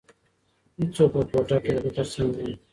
هیڅوک په کوټه کې د ده تر څنګ نه وو.